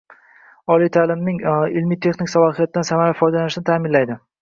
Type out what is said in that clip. oliy maktabning ilmiy-texnik salohiyatidan samarali foydalanilishini ta’minlaydi;